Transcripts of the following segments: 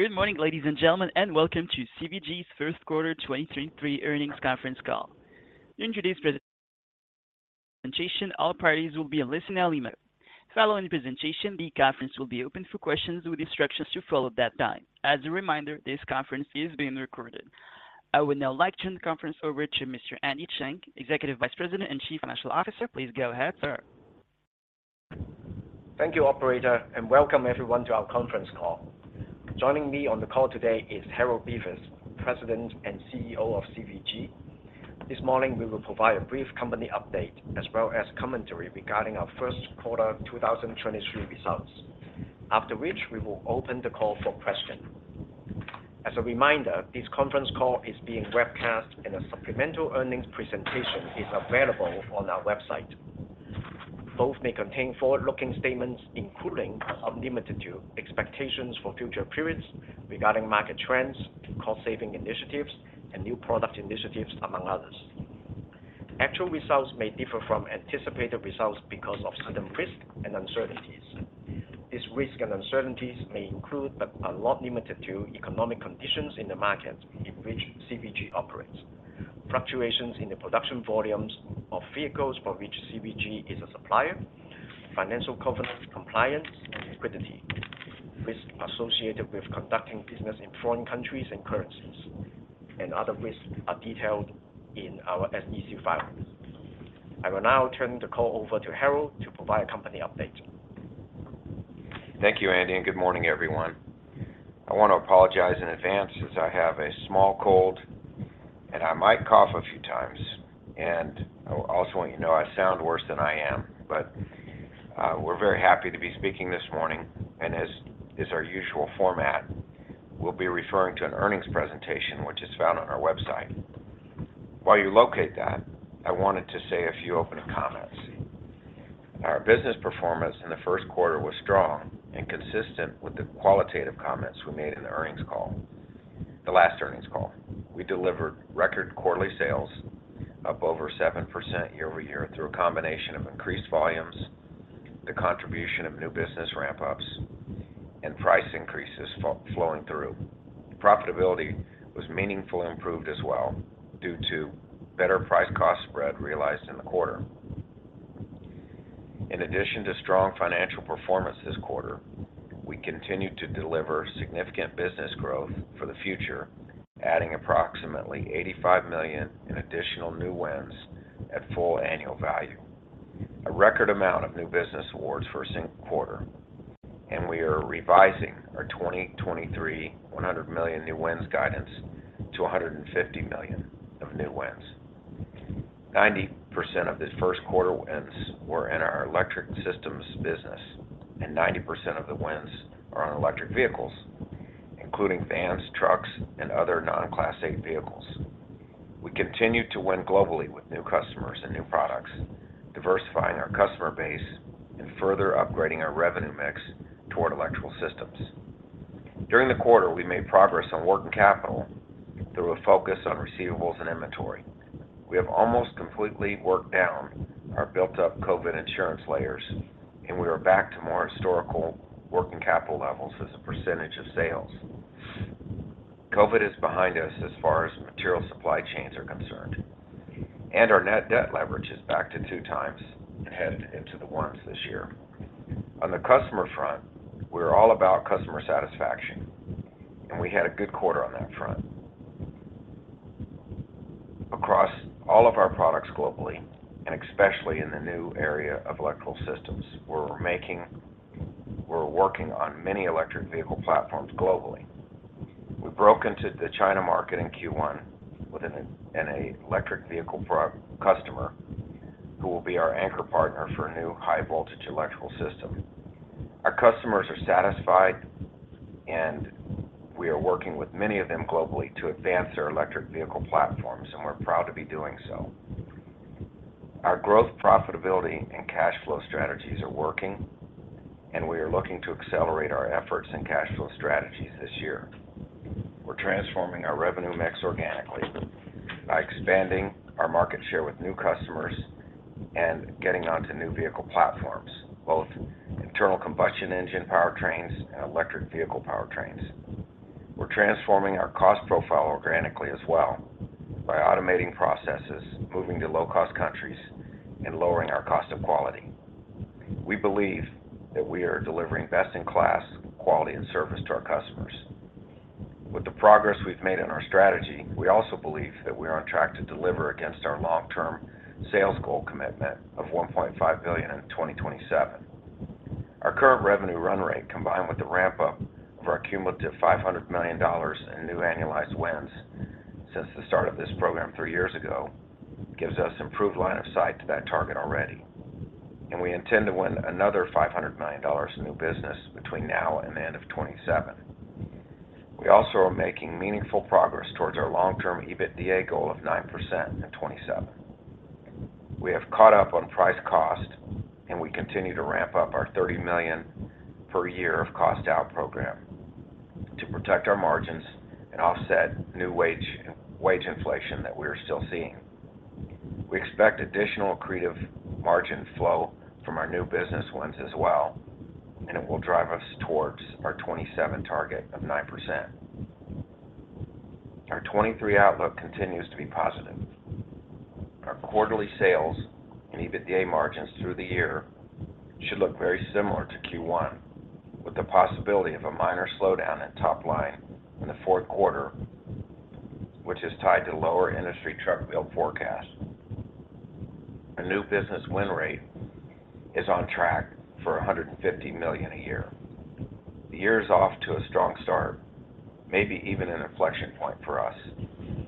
Good morning, ladies and gentlemen, and welcome to CVG's First Quarter 2023 Earnings Conference Call. During today's presentation, all parties will be in a listen-only mode. Following the presentation, the conference will be open for questions with instructions to follow at that time. As a reminder, this conference is being recorded. I would now like to turn the conference over to Mr. Andy Cheung, Executive Vice President and Chief Financial Officer. Please go ahead, sir. Thank you, operator. Welcome everyone to our conference call. Joining me on the call today is Harold Bevis, President and CEO of CVG. This morning, we will provide a brief company update as well as commentary regarding our first quarter 2023 results. After which, we will open the call for questions. As a reminder, this conference call is being webcast. A supplemental earnings presentation is available on our website. Both may contain forward-looking statements, including, but not limited to expectations for future periods regarding market trends, cost-saving initiatives, and new product initiatives, among others. Actual results may differ from anticipated results because of certain risks and uncertainties. These risks and uncertainties may include, but are not limited to economic conditions in the markets in which CVG operates, fluctuations in the production volumes of vehicles for which CVG is a supplier, financial covenant compliance and liquidity. Risks associated with conducting business in foreign countries and currencies, and other risks are detailed in our SEC filings. I will now turn the call over to Harold to provide a company update. Thank you, Andy, good morning, everyone. I want to apologize in advance since I have a small cold, and I might cough a few times. I also want you to know I sound worse than I am, but we're very happy to be speaking this morning. As is our usual format, we'll be referring to an earnings presentation, which is found on our website. While you locate that, I wanted to say a few opening comments. Our business performance in the first quarter was strong and consistent with the qualitative comments we made in the last earnings call. We delivered record quarterly sales up over 7% year-over-year through a combination of increased volumes, the contribution of new business ramp-ups, and price increases flowing through. Profitability was meaningfully improved as well due to better price-cost spread realized in the quarter. In addition to strong financial performance this quarter, we continued to deliver significant business growth for the future, adding approximately $85 million in additional new wins at full annual value. A record amount of new business awards for a single quarter. We are revising our 2023 $100 million new wins guidance to $150 million of new wins. 90% of the first quarter wins were in our Electrical Systems business. 90% of the wins are on electric vehicles, including vans, trucks, and other non-Class 8 vehicles. We continue to win globally with new customers and new products, diversifying our customer base and further upgrading our revenue mix toward Electrical Systems. During the quarter, we made progress on working capital through a focus on receivables and inventory. We have almost completely worked down our built-up COVID insurance layers, and we are back to more historical working capital levels as a percentage of sales. COVID is behind us as far as material supply chains are concerned, and our net debt leverage is back to 2x and headed into the ones this year. On the customer front, we're all about customer satisfaction, and we had a good quarter on that front. Across all of our products globally, and especially in the new area of Electrical Systems, we're working on many electric vehicle platforms globally. We broke into the China market in Q1 with an electric vehicle customer who will be our anchor partner for a new high voltage electrical system. Our customers are satisfied, and we are working with many of them globally to advance their electric vehicle platforms, and we're proud to be doing so. Our growth, profitability, and cash flow strategies are working, and we are looking to accelerate our efforts and cash flow strategies this year. We're transforming our revenue mix organically by expanding our market share with new customers and getting onto new vehicle platforms, both internal combustion engine powertrains and electric vehicle powertrains. We're transforming our cost profile organically as well by automating processes, moving to low cost countries, and lowering our cost of quality. We believe that we are delivering best-in-class quality and service to our customers. With the progress we've made in our strategy, we also believe that we are on track to deliver against our long-term sales goal commitment of $1.5 billion in 2027. Our current revenue run rate, combined with the ramp-up of our cumulative $500 million in new annualized wins since the start of this program three years ago, gives us improved line of sight to that target already. We intend to win another $500 million in new business between now and the end of 2027. We also are making meaningful progress towards our long-term EBITDA goal of 9% in 2027. We have caught up on price cost, and we continue to ramp up our $30 million per year of cost out program to protect our margins and offset new wage inflation that we are still seeing. We expect additional accretive margin flow from our new business wins as well. It will drive us towards our 2027 target of 9%. Our 2023 outlook continues to be positive. Our quarterly sales and EBITDA margins through the year should look very similar to Q1, with the possibility of a minor slowdown in top line in the fourth quarter, which is tied to lower industry truck build forecast. Our new business win rate is on track for $150 million a year. The year is off to a strong start, maybe even an inflection point for us.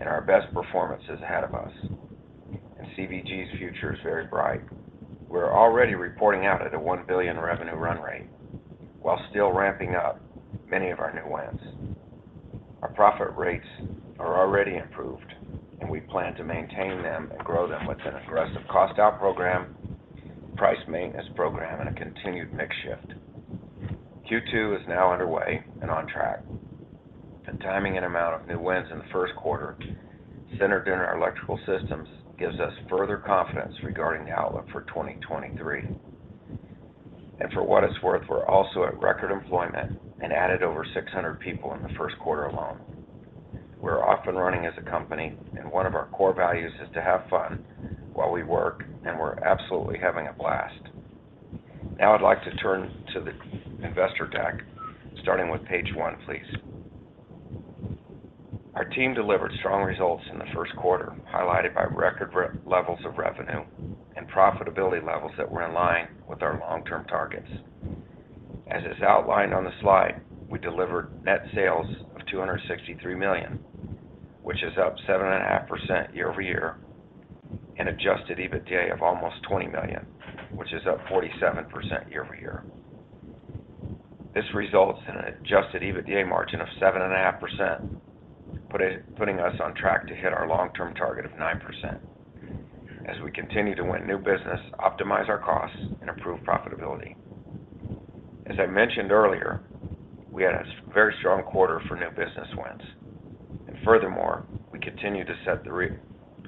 Our best performance is ahead of us. CVG's future is very bright. We're already reporting out at a $1 billion revenue run rate while still ramping up many of our new wins. Our profit rates are already improved. We plan to maintain them and grow them with an aggressive cost out program, price maintenance program, and a continued mix shift. Q2 is now underway and on track, and timing and amount of new wins in the first quarter centered in our Electrical Systems gives us further confidence regarding the outlook for 2023. For what it's worth, we're also at record employment and added over 600 people in the first quarter alone. We're off and running as a company, and one of our core values is to have fun while we work, and we're absolutely having a blast. Now I'd like to turn to the investor deck, starting with page one, please. Our team delivered strong results in the first quarter, highlighted by record levels of revenue and profitability levels that were in line with our long-term targets. As is outlined on the slide, we delivered net sales of $263 million, which is up 7.5% year-over-year, and Adjusted EBITDA of almost $20 million, which is up 47% year-over-year. This results in an Adjusted EBITDA margin of 7.5%, putting us on track to hit our long-term target of 9% as we continue to win new business, optimize our costs and improve profitability. As I mentioned earlier, we had a very strong quarter for new business wins. Furthermore, we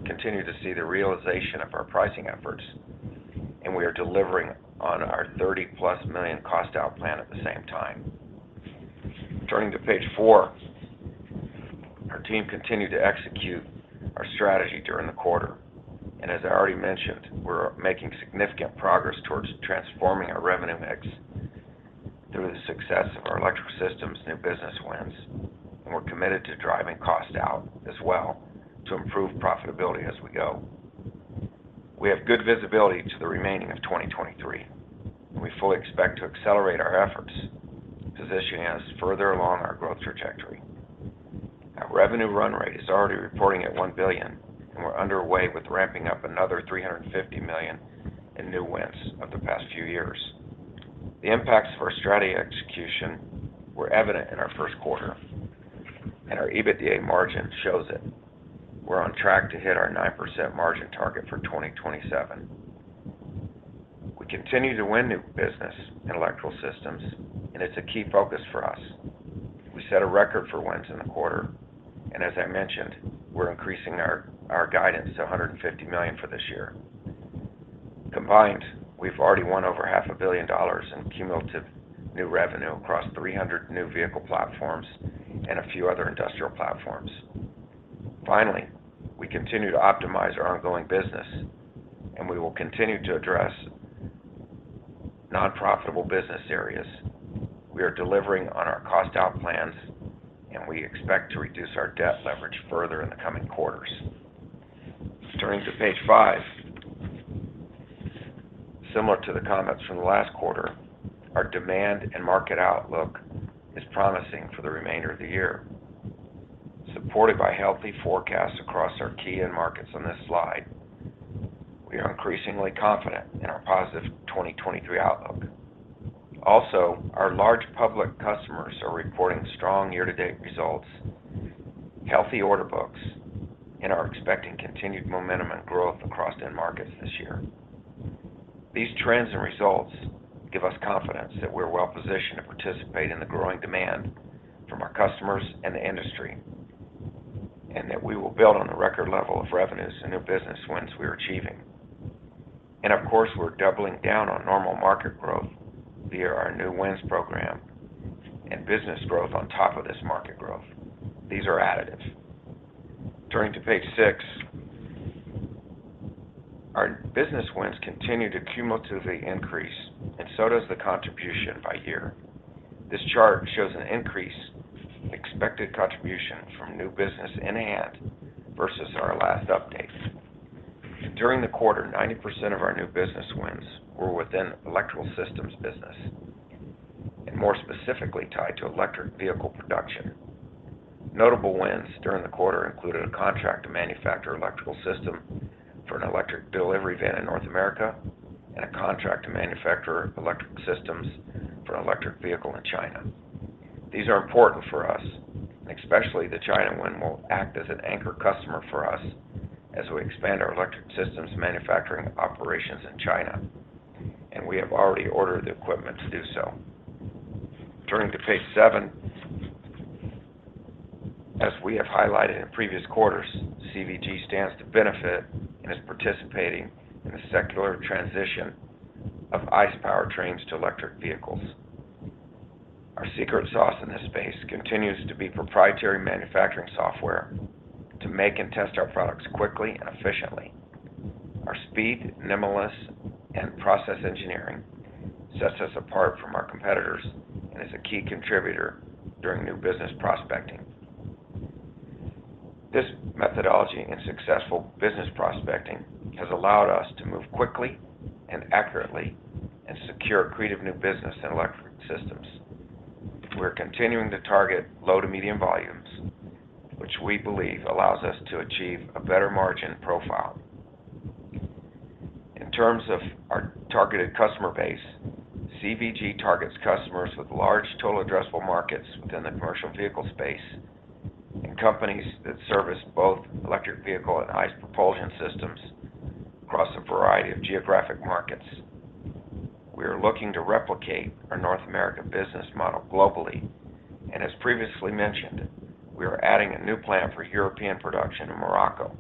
continue to see the realization of our pricing efforts, and we are delivering on our $30+ million cost out plan at the same time. Turning to page four. Our team continued to execute our strategy during the quarter. As I already mentioned, we're making significant progress towards transforming our revenue mix through the success of our Electrical Systems' new business wins, and we're committed to driving cost out as well to improve profitability as we go. We have good visibility to the remaining of 2023. We fully expect to accelerate our efforts, positioning us further along our growth trajectory. Our revenue run rate is already reporting at $1 billion, and we're underway with ramping up another $350 million in new wins of the past few years. The impacts of our strategy execution were evident in our first quarter, and our EBITDA margin shows it. We're on track to hit our 9% margin target for 2027. We continue to win new business in Electrical Systems, and it's a key focus for us. We set a record for wins in the quarter, as I mentioned, we're increasing our guidance to $150 million for this year. Combined, we've already won over half a billion dollars in cumulative new revenue across 300 new vehicle platforms and a few other industrial platforms. Finally, we continue to optimize our ongoing business, and we will continue to address non-profitable business areas. We are delivering on our cost out plans, and we expect to reduce our debt leverage further in the coming quarters. Turning to page five. Similar to the comments from last quarter, our demand and market outlook is promising for the remainder of the year. Supported by healthy forecasts across our key end markets on this slide, we are increasingly confident in our positive 2023 outlook. Also, our large public customers are reporting strong year-to-date results, healthy order books, and are expecting continued momentum and growth across end markets this year. These trends and results give us confidence that we're well positioned to participate in the growing demand from our customers and the industry, and that we will build on the record level of revenues and new business wins we are achieving. Of course, we're doubling down on normal market growth via our new wins program and business growth on top of this market growth. These are additives. Turning to page six. Our business wins continue to cumulatively increase and so does the contribution by year. This chart shows an increase in expected contribution from new business in hand versus our last update. During the quarter, 90% of our new business wins were within Electrical Systems business and more specifically tied to electric vehicle production. Notable wins during the quarter included a contract to manufacture electrical system for an electric delivery van in North America and a contract to manufacture electric systems for an electric vehicle in China. These are important for us, especially the China win will act as an anchor customer for us as we expand our electric systems manufacturing operations in China. We have already ordered the equipment to do so. Turning to page seven. As we have highlighted in previous quarters, CVG stands to benefit and is participating in a secular transition of ICE powertrains to electric vehicles. Our secret sauce in this space continues to be proprietary manufacturing software to make and test our products quickly and efficiently. Our speed, nimbleness, and process engineering sets us apart from our competitors and is a key contributor during new business prospecting. This methodology and successful business prospecting has allowed us to move quickly and accurately and secure accretive new business in Electrical Systems. We're continuing to target low to medium volumes, which we believe allows us to achieve a better margin profile. In terms of our targeted customer base, CVG targets customers with large total addressable markets within the commercial vehicle space and companies that service both electric vehicle and ICE propulsion systems across a variety of geographic markets. We are looking to replicate our North American business model globally, and as previously mentioned, we are adding a new plant for European production in Morocco,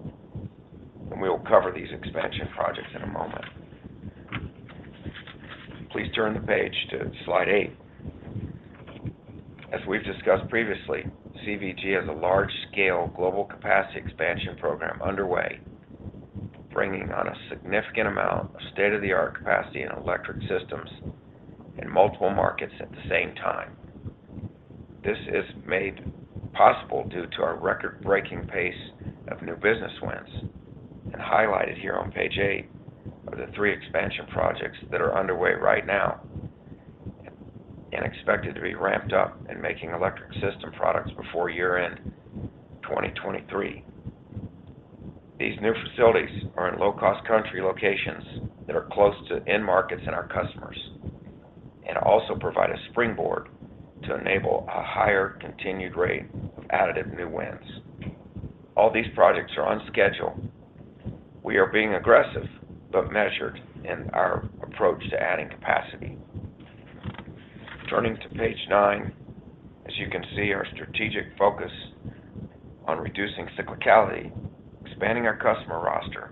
and we will cover these expansion projects in a moment. Please turn the page to slide eight. As we've discussed previously, CVG has a large-scale global capacity expansion program underway, bringing on a significant amount of state-of-the-art capacity in Electrical Systems in multiple markets at the same time. This is made possible due to our record-breaking pace of new business wins and highlighted here on page eight are the three expansion projects that are underway right now and expected to be ramped up and making electric system products before year-end 2023. These new facilities are in low-cost country locations that are close to end markets and our customers and also provide a springboard to enable a higher continued rate of additive new wins. All these projects are on schedule. We are being aggressive but measured in our approach to adding capacity. Turning to page nine, as you can see, our strategic focus on reducing cyclicality, expanding our customer roster,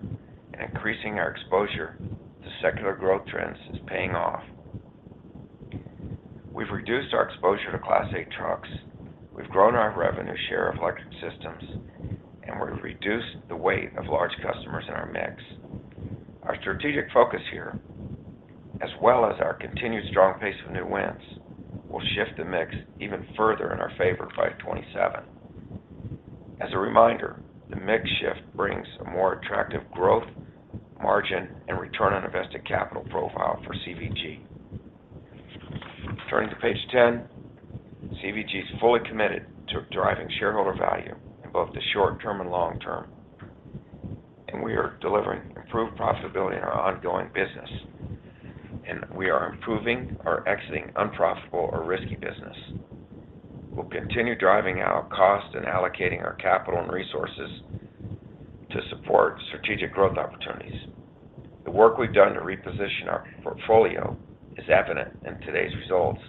and increasing our exposure to secular growth trends is paying off. We've reduced our exposure to Class 8 trucks, we've grown our revenue share of Electrical Systems, and we've reduced the weight of large customers in our mix. Our strategic focus here, as well as our continued strong pace of new wins, will shift the mix even further in our favor by 2027. As a reminder, the mix shift brings a more attractive growth, margin, and ROIC profile for CVG. Turning to page 10, CVG is fully committed to driving shareholder value in both the short term and long term. We are delivering improved profitability in our ongoing business. We are improving or exiting unprofitable or risky business. We'll continue driving out cost and allocating our capital and resources to support strategic growth opportunities. The work we've done to reposition our portfolio is evident in today's results,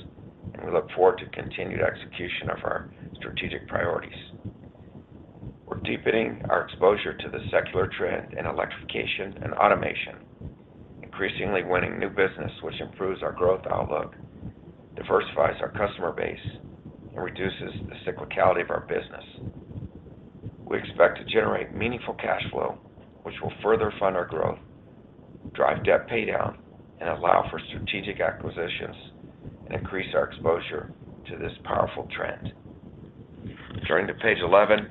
and we look forward to continued execution of our strategic priorities. We're deepening our exposure to the secular trend in electrification and automation, increasingly winning new business, which improves our growth outlook, diversifies our customer base, and reduces the cyclicality of our business. We expect to generate meaningful cash flow, which will further fund our growth, drive debt paydown, and allow for strategic acquisitions and increase our exposure to this powerful trend. Turning to page 11,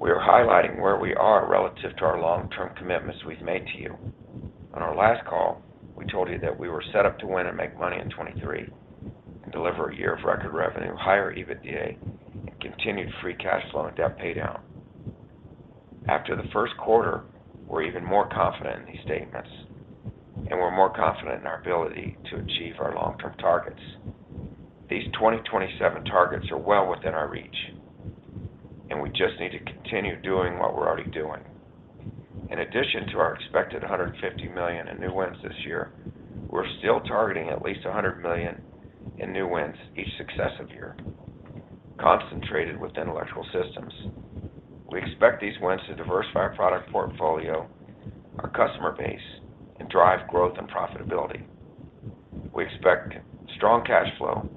we are highlighting where we are relative to our long-term commitments we've made to you. On our last call, we told you that we were set up to win and make money in 2023 and deliver a year of record revenue, higher EBITDA, and continued free cash flow and debt paydown. After the first quarter, we're even more confident in these statements, and we're more confident in our ability to achieve our long-term targets. These 2027 targets are well within our reach, and we just need to continue doing what we're already doing. In addition to our expected $150 million in new wins this year, we're still targeting at least $100 million in new wins each successive year, concentrated within Electrical Systems. We expect these wins to diversify our product portfolio, our customer base, and drive growth and profitability. We expect strong cash flow,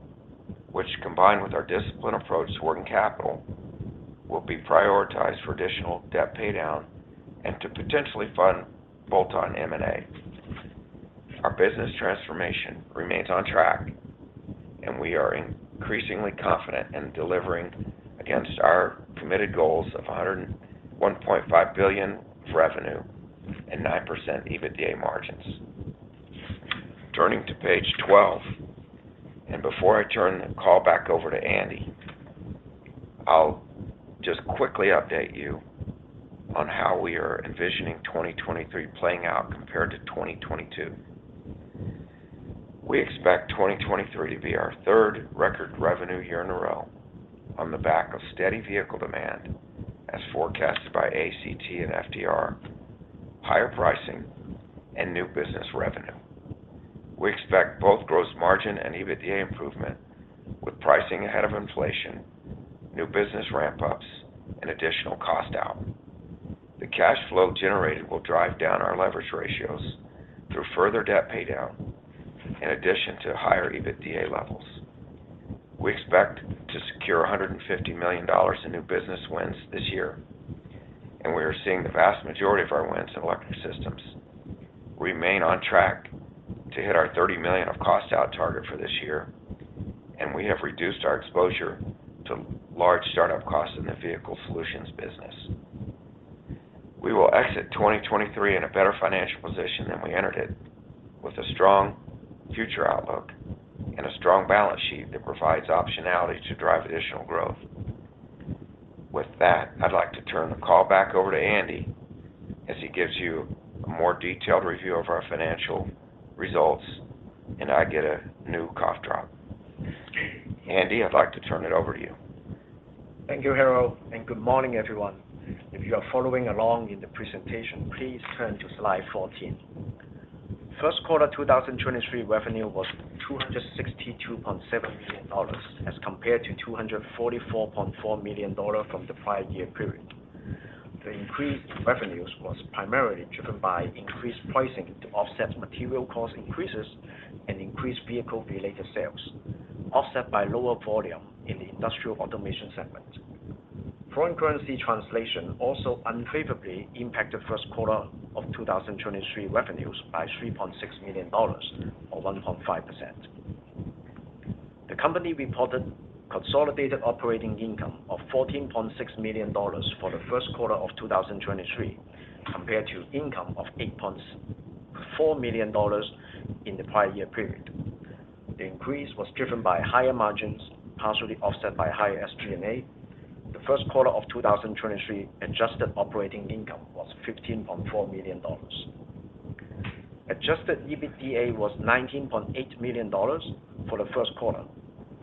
which, combined with our disciplined approach to working capital, will be prioritized for additional debt paydown and to potentially fund bolt-on M&A. Our business transformation remains on track, and we are increasingly confident in delivering against our committed goals of $101.5 billion of revenue and 9% EBITDA margins. Turning to page 12, before I turn the call back over to Andy, I'll just quickly update you on how we are envisioning 2023 playing out compared to 2022. We expect 2023 to be our third record revenue year in a row on the back of steady vehicle demand as forecasted by ACT and FTR, higher pricing, and new business revenue. We expect both gross margin and EBITDA improvement with pricing ahead of inflation, new business ramp-ups, and additional cost out. The cash flow generated will drive down our leverage ratios through further debt paydown in addition to higher EBITDA levels. We expect to secure $150 million in new business wins this year. We are seeing the vast majority of our wins in Electrical Systems. We remain on track to hit our $30 million of cost out target for this year. We have reduced our exposure to large startup costs in the Vehicle Solutions business. We will exit 2023 in a better financial position than we entered it, with a strong future outlook and a strong balance sheet that provides optionality to drive additional growth. With that, I'd like to turn the call back over to Andy as he gives you a more detailed review of our financial results and I get a new cough drop. Andy, I'd like to turn it over to you. Thank you, Harold. Good morning, everyone. If you are following along in the presentation, please turn to slide 14. First quarter 2023 revenue was $262.7 million as compared to $244.4 million from the prior-year period. The increased revenues was primarily driven by increased pricing to offset material cost increases and increased vehicle-related sales, offset by lower volume in the Industrial Automation segment. Foreign currency translation also unfavorably impacted first quarter of 2023 revenues by $3.6 million or 1.5%. The company reported consolidated operating income of $14.6 million for the first quarter of 2023 compared to income of $8.4 million in the prior-year period. The increase was driven by higher margins, partially offset by higher SG&A. The first quarter of 2023 adjusted operating income was $15.4 million. Adjusted EBITDA was $19.8 million for the first quarter,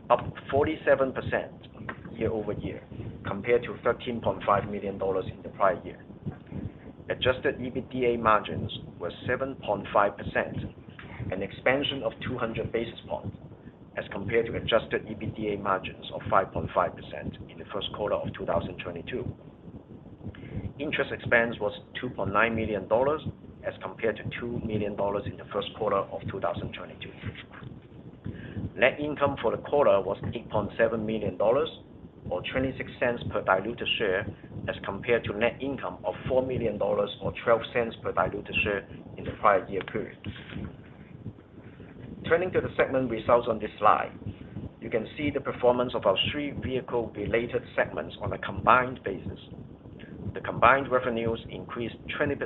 up 47% year-over-year compared to $13.5 million in the prior year. Adjusted EBITDA margins were 7.5%, an expansion of 200 basis points as compared to Adjusted EBITDA margins of 5.5% in the first quarter of 2022. Interest expense was $2.9 million as compared to $2 million in the first quarter of 2022. Net income for the quarter was $8.7 million or $0.26 per diluted share as compared to net income of $4 million or $0.12 per diluted share in the prior year period. Turning to the segment results on this slide, you can see the performance of our three vehicle-related segments on a combined basis. The combined revenues increased 20%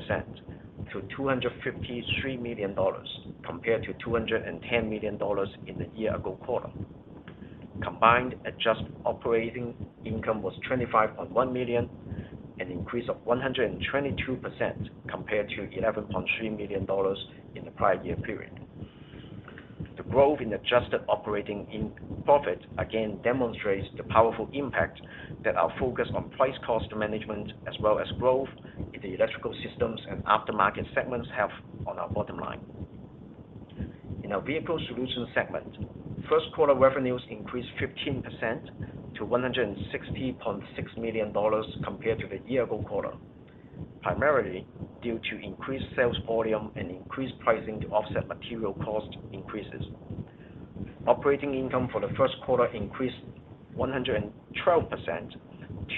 to $253 million compared to $210 million in the year-ago quarter. Combined adjusted operating income was $25.1 million, an increase of 122% compared to $11.3 million in the prior year period. The growth in adjusted operating profit again demonstrates the powerful impact that our focus on price cost management as well as growth in the Electrical Systems and aftermarket segments have on our bottom line. In our Vehicle Solutions segment, first quarter revenues increased 15% to $160.6 million compared to the year-ago quarter, primarily due to increased sales volume and increased pricing to offset material cost increases. Operating income for the first quarter increased 112%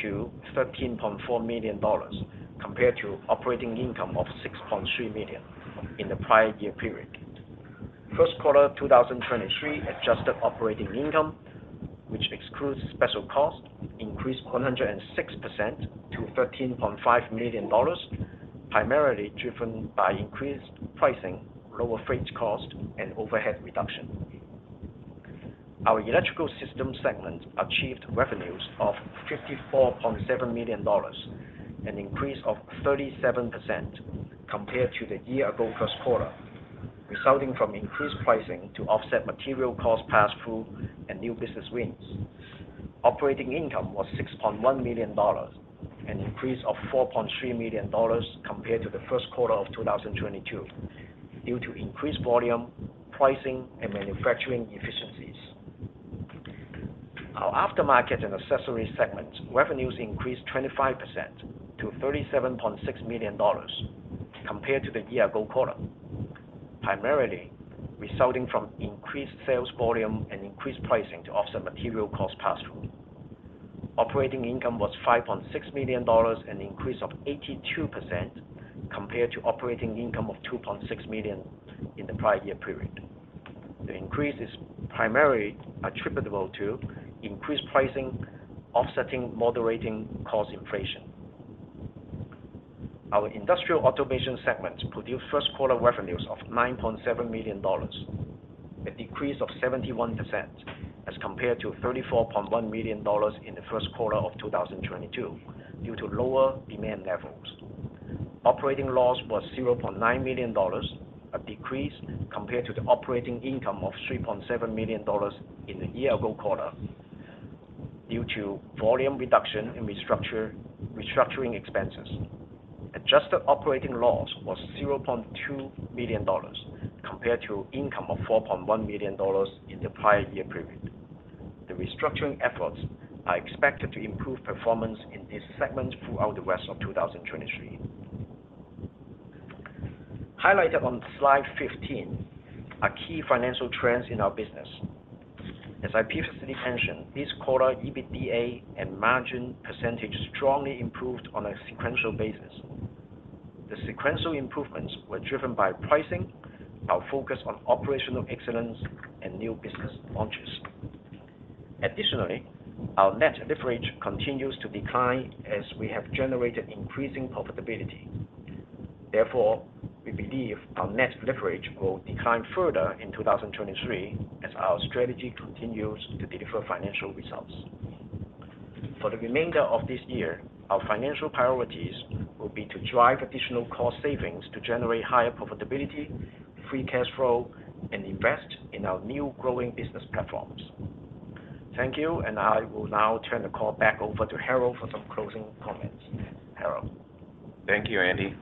to $13.4 million compared to operating income of $6.3 million in the prior year period. First quarter 2023 adjusted operating income, which excludes special costs, increased 106% to $13.5 million, primarily driven by increased pricing, lower freight cost, and overhead reduction. Our Electrical Systems segment achieved revenues of $54.7 million, an increase of 37% compared to the year-ago first quarter, resulting from increased pricing to offset material cost pass-through and new business wins. Operating income was $6.1 million, an increase of $4.3 million compared to the first quarter of 2022 due to increased volume, pricing, and manufacturing efficiencies. Our Aftermarket & Accessories segments revenues increased 25% to $37.6 million compared to the year-ago quarter, primarily resulting from increased sales volume and increased pricing to offset material cost pass-through. Operating income was $5.6 million, an increase of 82% compared to operating income of $2.6 million in the prior year period. The increase is primarily attributable to increased pricing offsetting moderating cost inflation. Our Industrial Automation segment produced first quarter revenues of $9.7 million, a decrease of 71% as compared to $34.1 million in the first quarter of 2022 due to lower demand levels. Operating loss was $0.9 million, a decrease compared to the operating income of $3.7 million in the year-ago quarter. Due to volume reduction and restructuring expenses. Adjusted operating loss was $0.2 million compared to income of $4.1 million in the prior year period. The restructuring efforts are expected to improve performance in this segment throughout the rest of 2023. Highlighted on slide 15 are key financial trends in our business. As I previously mentioned, this quarter EBITDA and margin percentage strongly improved on a sequential basis. The sequential improvements were driven by pricing, our focus on operational excellence and new business launches. Additionally, our net leverage continues to decline as we have generated increasing profitability. Therefore, we believe our net leverage will decline further in 2023 as our strategy continues to deliver financial results. For the remainder of this year, our financial priorities will be to drive additional cost savings to generate higher profitability, free cash flow, and invest in our new growing business platforms. Thank you. I will now turn the call back over to Harold for some closing comments. Harold. Thank you, Andy.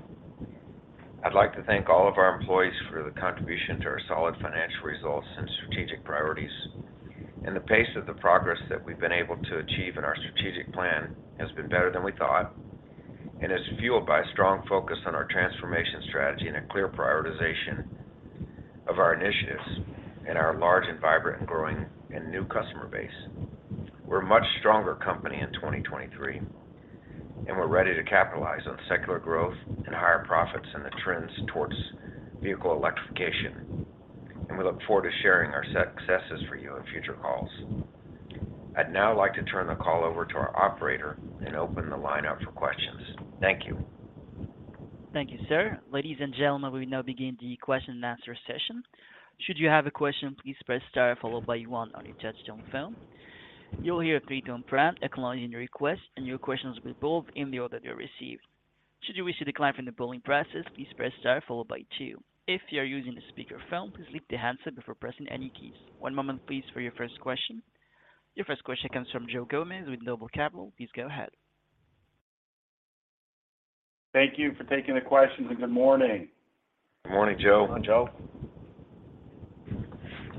I'd like to thank all of our employees for their contribution to our solid financial results and strategic priorities. The pace of the progress that we've been able to achieve in our strategic plan has been better than we thought, and is fueled by a strong focus on our transformation strategy and a clear prioritization of our initiatives and our large and vibrant and growing and new customer base. We're a much stronger company in 2023, and we're ready to capitalize on secular growth and higher profits and the trends towards vehicle electrification. We look forward to sharing our successes for you in future calls. I'd now like to turn the call over to our operator and open the line up for questions. Thank you. Thank you, sir. Ladies and gentlemen, we now begin the question-and-answer session. Should you have a question, please press star followed by one on your touch-tone phone. You will hear a three-tone prompt acknowledging your request, and your question will be pulled in the order they're received. Should you wish to decline from the polling process, please press star followed by two. If you are using a speakerphone, please lift the handset before pressing any keys. One moment please for your first question. Your first question comes from Joe Gomes with Noble Capital. Please go ahead. Thank you for taking the questions, and good morning. Good morning, Joe.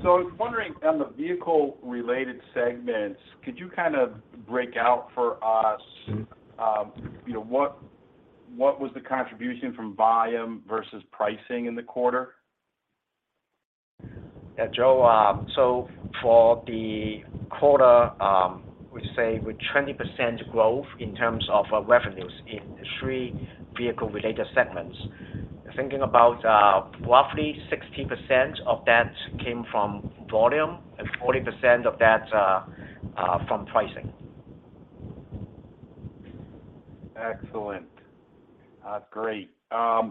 Good morning, Joe. I was wondering on the vehicle-related segments, could you kind of break out for us, you know, what was the contribution from volume versus pricing in the quarter? Yeah, Joe. For the quarter, we say with 20% growth in terms of our revenues in three vehicle-related segments. Thinking about, roughly 60% of that came from volume and 40% of that, from pricing. Excellent. Great. I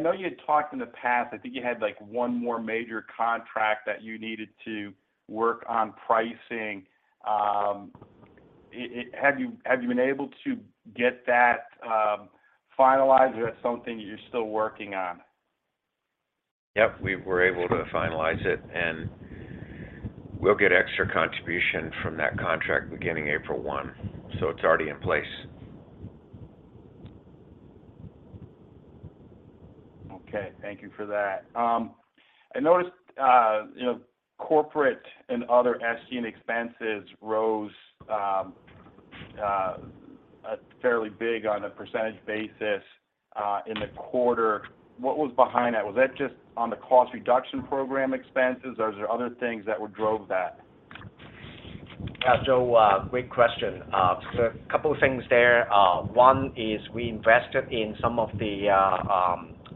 know you had talked in the past, I think you had, like, one more major contract that you needed to work on pricing. Have you been able to get that finalized or is that something you're still working on? Yep, we were able to finalize it, and we'll get extra contribution from that contract beginning April 1, so it's already in place. Okay, thank you for that. I noticed, you know, corporate and other SG&A expenses rose, fairly big on a percentage basis, in the quarter. What was behind that? Was that just on the cost reduction program expenses, or is there other things that would drove that? Joe, great question. A couple of things there. One is we invested in some of the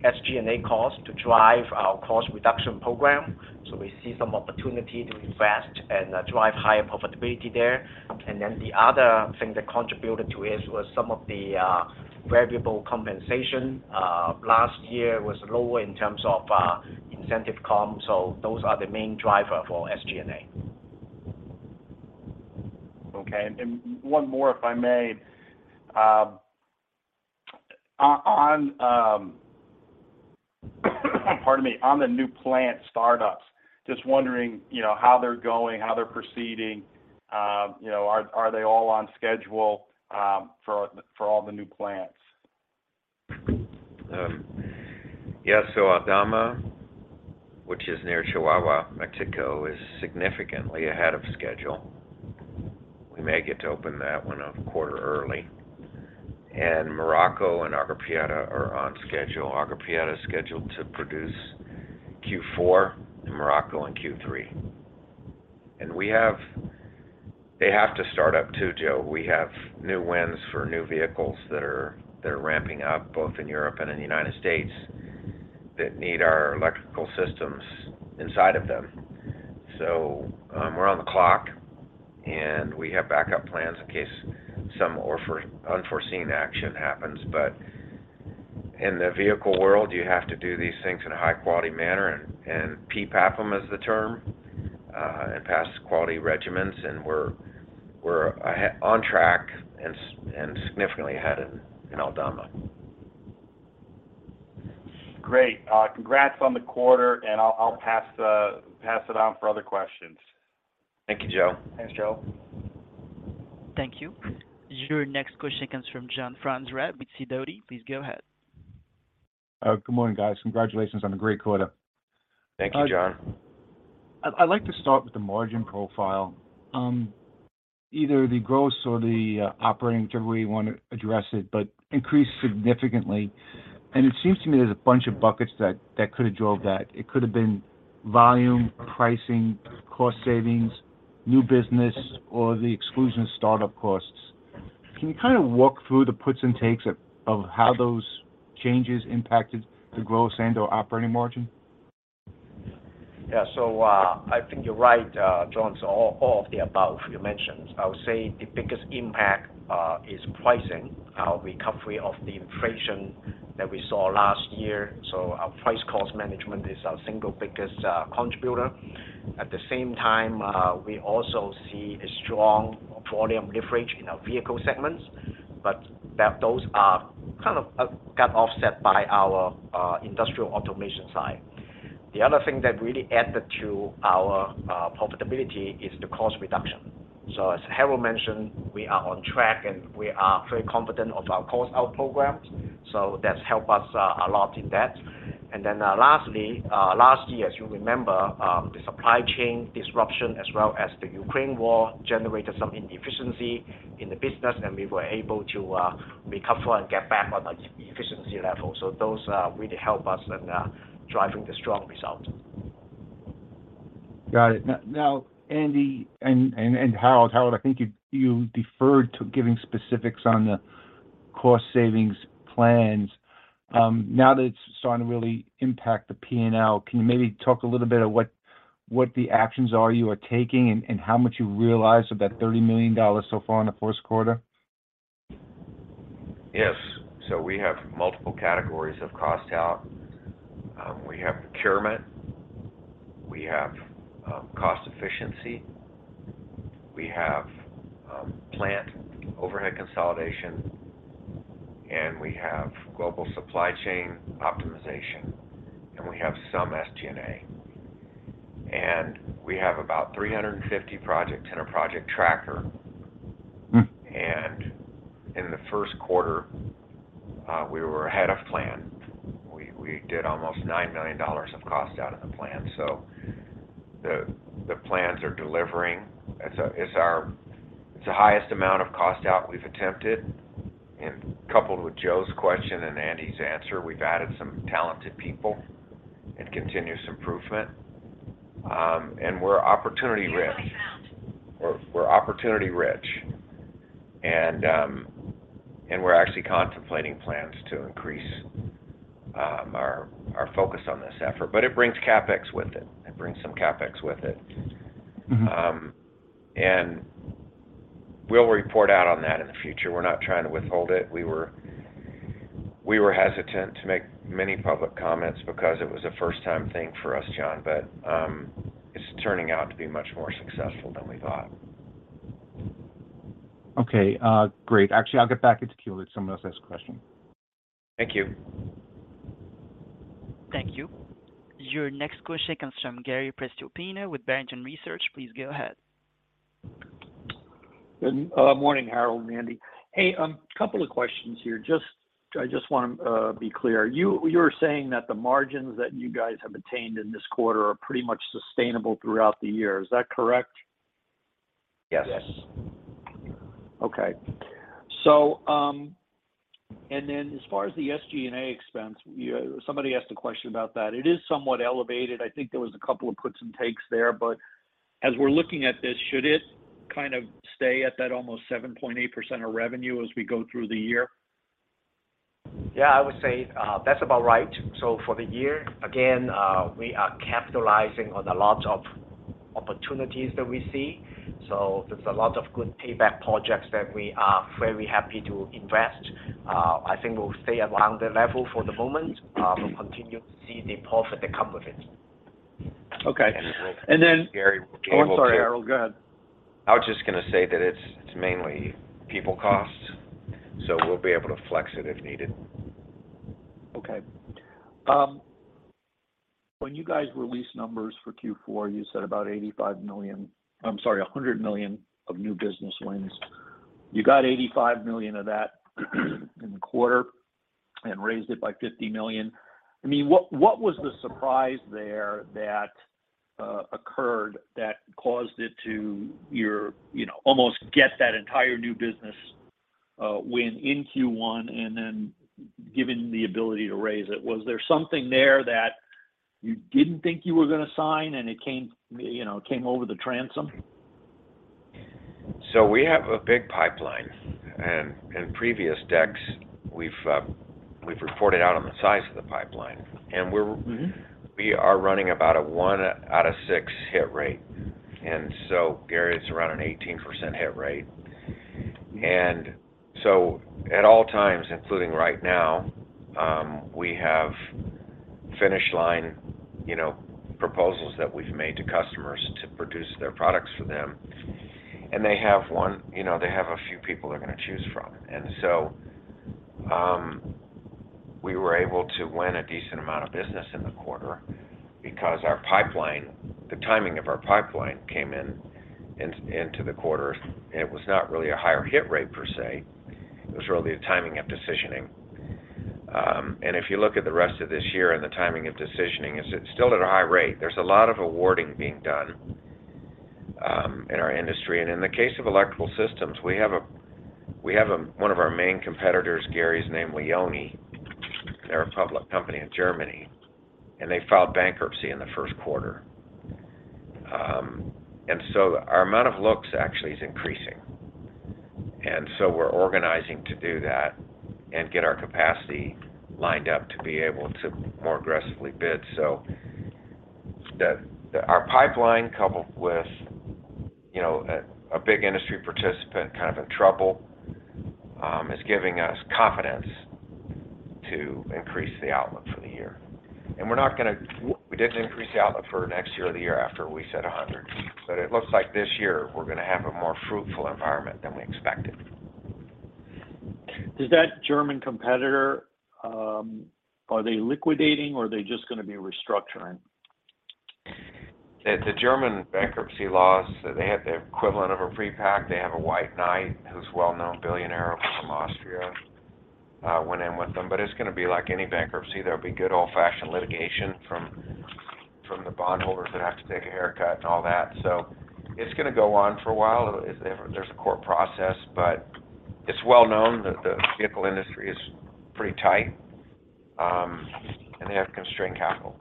SG&A costs to drive our cost reduction program. We see some opportunity to invest and drive higher profitability there. The other thing that contributed to it was some of the variable compensation last year was lower in terms of incentive comp. Those are the main driver for SG&A. Okay. One more, if I may. Pardon me. On the new plant startups, just wondering, you know, how they're going, how they're proceeding. You know, are they all on schedule for all the new plants? Yeah. Aldama, which is near Chihuahua, Mexico, is significantly ahead of schedule. We may get to open that one up a quarter early. Morocco and Agua Prieta are on schedule. Agua Prieta is scheduled to produce Q4 and Morocco in Q3. They have to start up too, Joe. We have new wins for new vehicles that are ramping up both in Europe and in the United States that need our Electrical Systems inside of them. We're on the clock, and we have backup plans in case some unforeseen action happens. In the vehicle world, you have to do these things in a high-quality manner and PPAP them is the term and pass quality regimens. We're on track and significantly ahead in Aldama. Great. congrats on the quarter, and I'll pass it on for other questions. Thank you, Joe. Thanks, Joe. Thank you. Your next question comes from John Franzreb with Sidoti. Please go ahead. Good morning, guys. Congratulations on a great quarter. Thank you, John. I'd like to start with the margin profile. either the gross or the operating term, however you wanna address it, but increased significantly. It seems to me there's a bunch of buckets that could have drove that. It could have been volume, pricing, cost savings, new business, or the exclusion startup costs. Can you kind of walk through the puts and takes of how those changes impacted the gross and/or operating margin? I think you're right, John. All of the above you mentioned. I would say the biggest impact is pricing, recovery of the inflation that we saw last year. Our price-cost management is our single biggest contributor. At the same time, we also see a strong volume leverage in our vehicle segments, but those are kind of got offset by our Industrial Automation side. The other thing that really added to our profitability is the cost reduction. As Harold mentioned, we are on track, and we are very confident of our cost out programs, so that's helped us a lot in that. Lastly, last year, as you remember, the supply chain disruption as well as the Ukraine war generated some inefficiency in the business, and we were able to recover and get back on the e-efficiency level. Those really help us in driving the strong result. Got it. Andy and Harold. Harold, I think you deferred to giving specifics on the cost savings plans. That it's starting to really impact the P&L, can you maybe talk a little bit of what the actions are you are taking and how much you realized of that $30 million so far in the first quarter? Yes. We have multiple categories of cost out. We have procurement, we have cost efficiency, we have plant overhead consolidation, and we have global supply chain optimization, and we have some SG&A. We have about 350 projects in our project tracker. Mm. In the first quarter, we were ahead of plan. We did almost $9 million of cost out of the plan. The plans are delivering. It's the highest amount of cost out we've attempted. Coupled with Joe's question and Andy's answer, we've added some talented people and continuous improvement. We're opportunity rich. We're opportunity rich. We're actually contemplating plans to increase our focus on this effort. It brings CapEx with it. It brings some CapEx with it. Mm-hmm. We'll report out on that in the future. We're not trying to withhold it. We were hesitant to make many public comments because it was a first time thing for us, John. It's turning out to be much more successful than we thought. Great. Actually, I'll get back in queue, let someone else ask a question. Thank you. Thank you. Your next question comes from Gary Prestopino with Barrington Research. Please go ahead. Good morning, Harold and Andy. Hey, couple of questions here. I just wanna be clear. You're saying that the margins that you guys have attained in this quarter are pretty much sustainable throughout the year. Is that correct? Yes. Yes. As far as the SG&A expense, somebody asked a question about that. It is somewhat elevated. I think there was a couple of puts and takes there. As we're looking at this, should it kind of stay at that almost 7.8% of revenue as we go through the year? Yeah, I would say, that's about right. For the year, again, we are capitalizing on a lot of opportunities that we see. There's a lot of good payback projects that we are very happy to invest. I think we'll stay around the level for the moment, and continue to see the profit that come with it. Okay. Then- Gary, we'll be able to- Oh, I'm sorry, Harold. Go ahead. I was just gonna say that it's mainly people costs. We'll be able to flex it if needed. Okay. When you guys released numbers for Q4, you said about $85 million, I'm sorry, $100 million of new business wins. You got $85 million of that in the quarter and raised it by $50 million. I mean, what was the surprise there that occurred that caused it to your, you know, almost get that entire new business win in Q1 and then given the ability to raise it? Was there something there that you didn't think you were gonna sign, and it came, you know, came over the transom? We have a big pipeline. In previous decks, we've reported out on the size of the pipeline. Mm-hmm. We are running about a one out of six hit rate. Gary, it's around an 18% hit rate. At all times, including right now, we have finish line, you know, proposals that we've made to customers to produce their products for them. And they have, you know, a few people they're gonna choose from. We were able to win a decent amount of business in the quarter because our pipeline, the timing of our pipeline came into the quarter. It was not really a higher hit rate per se, it was really the timing of decisioning. If you look at the rest of this year and the timing of decisioning, it's still at a high rate. There's a lot of awarding being done in our industry. In the case of Electrical Systems, we have a one of our main competitors, Gary, is named Leoni. They're a public company in Germany, and they filed bankruptcy in the 1st quarter. So our amount of looks actually is increasing. So we're organizing to do that and get our capacity lined up to be able to more aggressively bid. The our pipeline coupled with, you know, a big industry participant kind of in trouble, is giving us confidence to increase the outlook for the year. We didn't increase the outlook for next year or the year after we said 100. But it looks like this year we're gonna have a more fruitful environment than we expected. Does that German competitor, are they liquidating or are they just gonna be restructuring? The German bankruptcy laws, they have the equivalent of a pre-pack. They have a white knight who's a well-known billionaire from Austria, went in with them. It's gonna be like any bankruptcy. There'll be good old-fashioned litigation from the bondholders that have to take a haircut and all that. It's gonna go on for a while. There's a court process, it's well known that the vehicle industry is pretty tight, and they have constrained capital.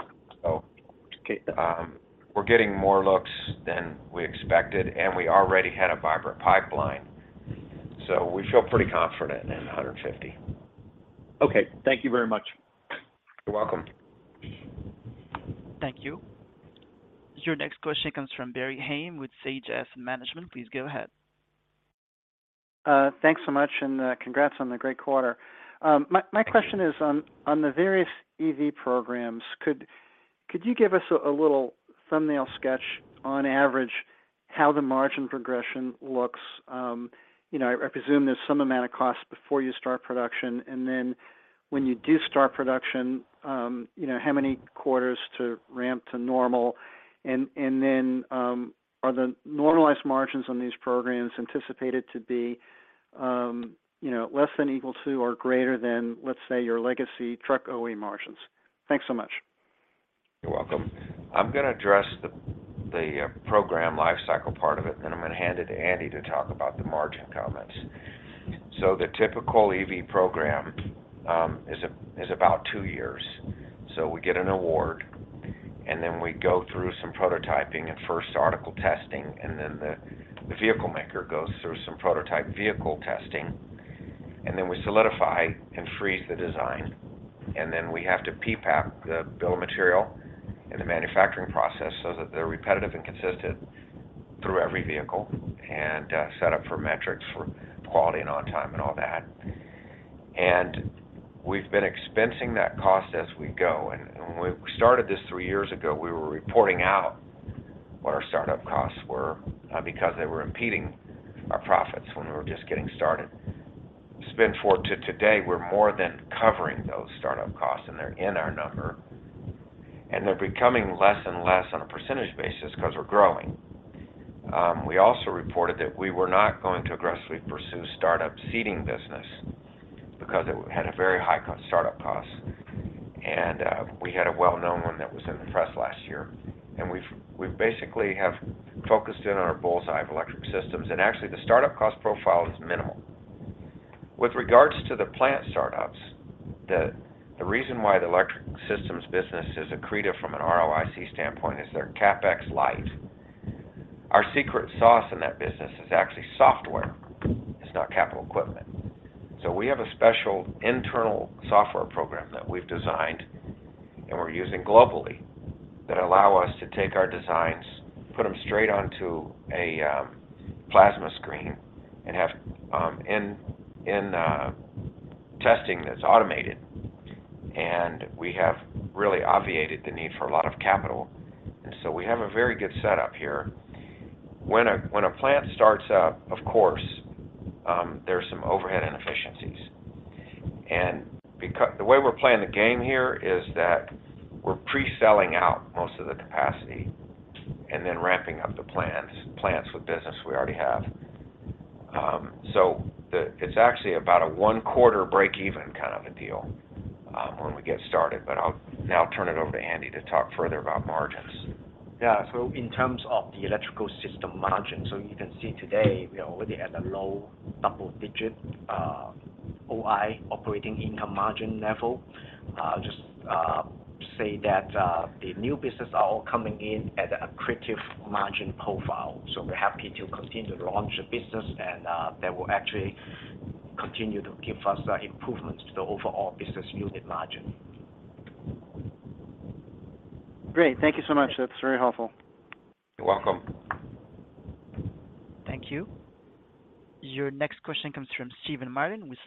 We're getting more looks than we expected, and we already had a vibrant pipeline. We feel pretty confident in 150. Okay. Thank you very much. You're welcome. Thank you. Your next question comes from Barry Haimes with Sage Asset Management. Please go ahead. Thanks so much, and congrats on the great quarter. My question is on the various EV programs, could you give us a little thumbnail sketch on average, how the margin progression looks? You know, I presume there's some amount of cost before you start production, and then when you do start production, you know, how many quarters to ramp to normal? Then, are the normalized margins on these programs anticipated to be, you know, less than equal to or greater than, let's say, your legacy truck OE margins? Thanks so much. You're welcome. I'm gonna address the program life cycle part of it, then I'm gonna hand it to Andy to talk about the margin comments. The typical EV program is about two years. We get an award, and then we go through some prototyping and first article testing, and then the vehicle maker goes through some prototype vehicle testing. Then we solidify and freeze the design, and then we have to PPAP the bill of material and the manufacturing process so that they're repetitive and consistent through every vehicle and set up for metrics for quality and on time and all that. We've been expensing that cost as we go. When we started this three years ago, we were reporting out what our startup costs were because they were impeding our profits when we were just getting started. Spend forward to today, we're more than covering those startup costs, and they're in our number, and they're becoming less and less on a percentage basis 'cause we're growing. We also reported that we were not going to aggressively pursue startup seeding business because it had a very high startup cost, and we had a well-known one that was in the press last year. We basically have focused in on our bull's-eye of Electrical Systems. Actually, the startup cost profile is minimal. With regards to the plant startups, the reason why the Electrical Systems business is accretive from an ROIC standpoint is they're CapEx light. Our secret sauce in that business is actually software. It's not capital equipment. We have a special internal software program that we've designed and we're using globally that allow us to take our designs, put them straight onto a plasma screen, and have in testing that's automated, and we have really obviated the need for a lot of capital. We have a very good setup here. When a plant starts up, of course, there's some overhead inefficiencies. The way we're playing the game here is that we're pre-selling out most of the capacity and then ramping up the plants with business we already have. It's actually about a one-quarter break even kind of a deal when we get started, but I'll now turn it over to Andy to talk further about margins. Yeah. In terms of the electrical system margin, so you can see today we are already at a low double-digit OI, operating income margin level. I'll just say that the new business are all coming in at accretive margin profile. We're happy to continue to launch the business and that will actually continue to give us improvements to the overall business unit margin. Great. Thank you so much. That's very helpful. You're welcome. Thank you. Your next question comes from Steven Martin with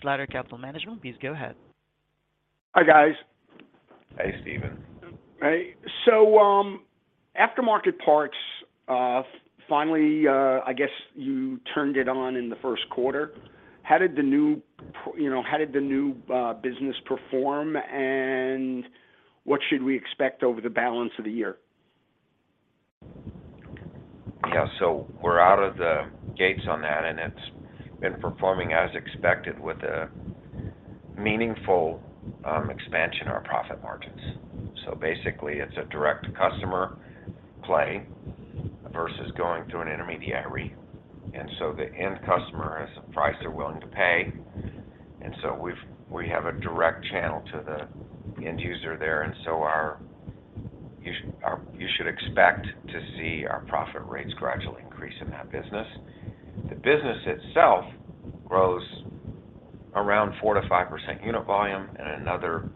Slater Capital Management. Please go ahead. Hi, guys. Hey, Steven. Hey. Aftermarket parts, finally, I guess you turned it on in the first quarter. How did the new business perform, and what should we expect over the balance of the year? Yeah. We're out of the gates on that, and it's been performing as expected with a meaningful expansion on our profit margins. Basically, it's a direct-to-customer play versus going through an intermediary. The end customer has a price they're willing to pay, we have a direct channel to the end user there. You should expect to see our profit rates gradually increase in that business. The business itself grows around 4%-5% unit volume and another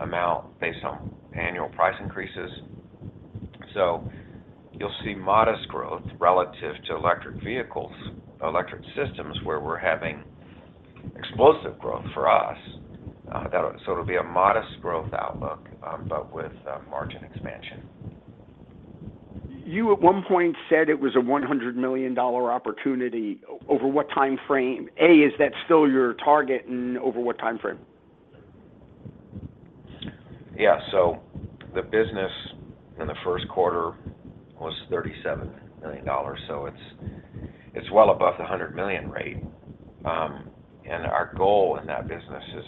amount based on annual price increases. You'll see modest growth relative to electric vehicles, Electrical Systems, where we're having explosive growth for us. It'll be a modest growth outlook, but with margin expansion. You at one point said it was a $100 million opportunity. Over what timeframe? Is that still your target, and over what timeframe? Yeah. The business in the first quarter was $37 million, so it's well above the $100 million rate. Our goal in that business is,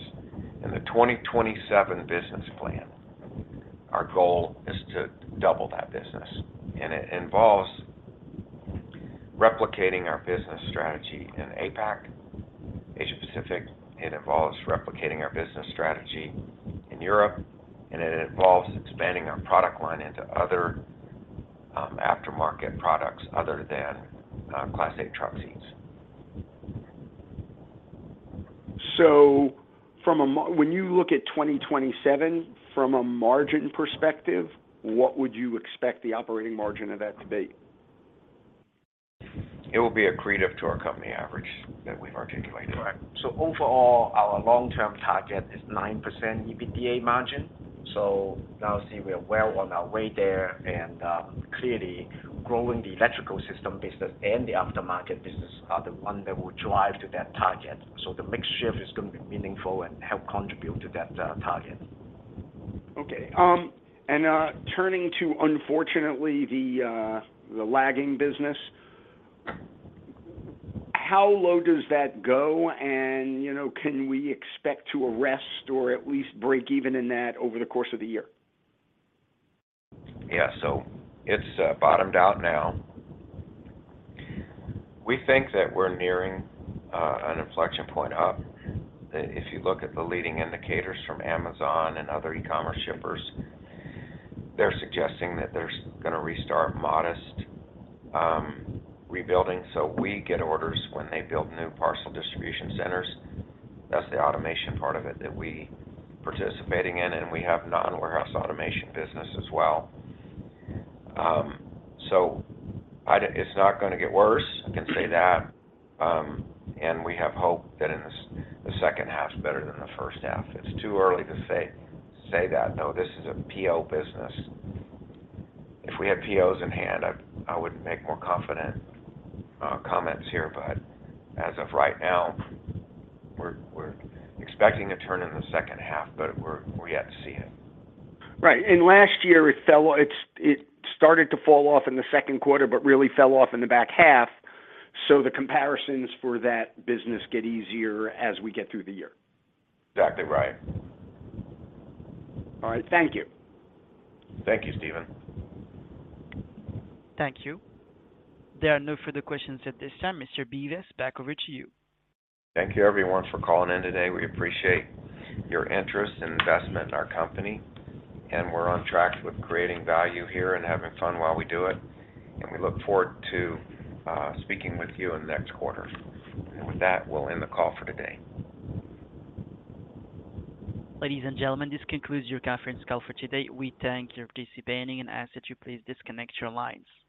in the 2027 business plan, our goal is to double that business. It involves replicating our business strategy in APAC, Asia Pacific. It involves replicating our business strategy in Europe, and it involves expanding our product line into other aftermarket products other than Class 8 truck seats. When you look at 2027, from a margin perspective, what would you expect the operating margin of that to be? It will be accretive to our company average that we've articulated. Right. Overall, our long-term target is 9% EBITDA margin. Obviously, we are well on our way there. Clearly, growing the Electrical Systems business and the Aftermarket & Accessories business are the one that will drive to that target. The mix shift is gonna be meaningful and help contribute to that target. Okay. Turning to, unfortunately, the lagging business, how low does that go? You know, can we expect to arrest or at least break even in that over the course of the year? It's bottomed out now. We think that we're nearing an inflection point up. If you look at the leading indicators from Amazon and other e-commerce shippers, they're suggesting that there's gonna restart modest rebuilding. We get orders when they build new parcel distribution centers. That's the automation part of it that we participating in, and we have non-warehouse automation business as well. It's not gonna get worse, I can say that. We have hope that in the second half's better than the first half. It's too early to say that, though. This is a PO business. If we had POs in hand, I would make more confident comments here. As of right now, we're expecting a turn in the second half, but we're yet to see it. Right. Last year, it started to fall off in the second quarter, really fell off in the back half. The comparisons for that business get easier as we get through the year. Exactly right. All right. Thank you. Thank you, Steven. Thank you. There are no further questions at this time. Mr. Bevis, back over to you. Thank you everyone for calling in today. We appreciate your interest and investment in our company. We're on track with creating value here and having fun while we do it. We look forward to speaking with you in the next quarter. With that, we'll end the call for today. Ladies and gentlemen, this concludes your conference call for today. We thank your participation and ask that you please disconnect your lines. Have a-